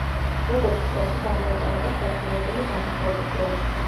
როგორც წესი გამოიყენება საჩვენებელი გამოსვლების დროს.